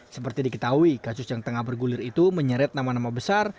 seperti diketahui kasus yang tengah bergulir itu menyeret nama nama besar